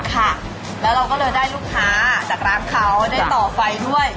ค่ะแล้วเราก็เลยได้ลูกค้าจากร้านเขาได้ต่อไฟด้วย